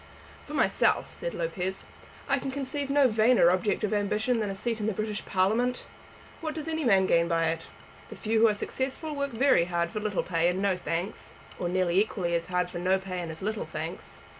"For myself," said Lopez, "I can conceive no vainer object of ambition than a seat in the British Parliament. What does any man gain by it? The few who are successful work very hard for little pay and no thanks, or nearly equally hard for no pay and as little thanks.